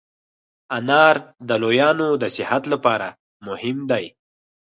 انار د لویانو د صحت لپاره مهم دی.